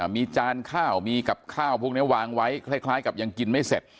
มีจานข้าวมีกับข้าวพวกนี้วางไว้คล้ายกับยังกินไม่เสร็จ